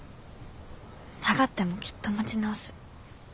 下がってもきっと持ち直す。